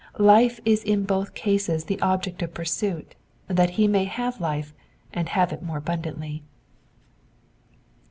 Life is in both cases the object of pursuit : that he may have life, and have it more abundantly.